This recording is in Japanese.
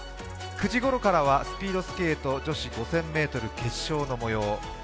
９時ごろからはスピードスケート女子５０００ｍ決勝の模様